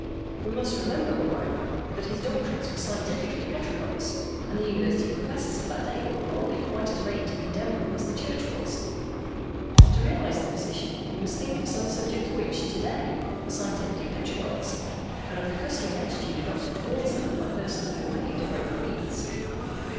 We must remember, moreover, that his doctrines were scientifically heterodox, and the University Professors of that day were probably quite as ready to condemn them as the Church was. To realise the position we must think of some subjects which to day are scientifically heterodox, and of the customary attitude adopted towards them by persons of widely differing creeds.